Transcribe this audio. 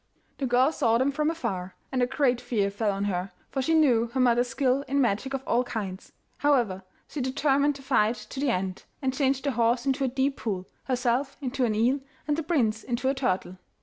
The girl saw them from afar, and a great fear fell on her, for she knew her mother's skill in magic of all kinds. However, she determined to fight to the end, and changed the horse into a deep pool, herself into an eel, and the prince into a turtle.